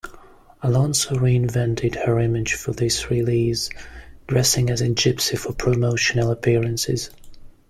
Alonso reinvented her image for this release, dressing as a gypsy for promotional appearances.